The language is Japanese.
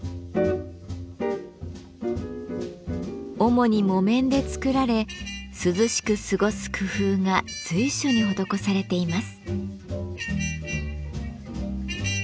主に木綿で作られ涼しく過ごす工夫が随所に施されています。